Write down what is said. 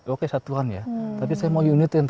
oke satuan ya tapi saya mau unit yang